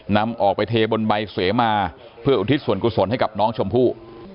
นำออกไปเทบนใบเสมาเพื่ออุทิศส่วนกุศลให้กับน้องชมพู่